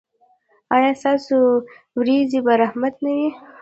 ایا ستاسو ورېځې به رحمت نه وي؟